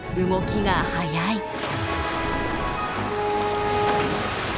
動きが速い。